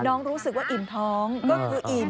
รู้สึกว่าอิ่มท้องก็คืออิ่ม